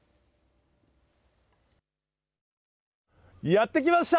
やって来ました！